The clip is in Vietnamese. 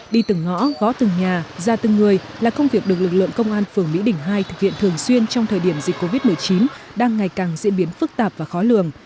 đi từng ngõ gó từng nhà ra từng người là công việc được lực lượng công an phường mỹ đỉnh hai thực hiện thường xuyên trong thời điểm dịch covid một mươi chín đang ngày càng diễn biến phức tạp và khó lường